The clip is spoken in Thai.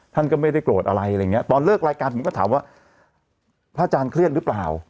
ท่านก็ไม่ได้โกรธอะไรอะไรอย่างเงี้ตอนเลิกรายการผมก็ถามว่าพระอาจารย์เครียดหรือเปล่า